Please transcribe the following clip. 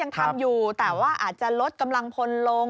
ยังทำอยู่แต่ว่าอาจจะลดกำลังพลลง